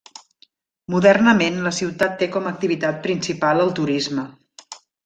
Modernament la ciutat té com activitat principal el turisme.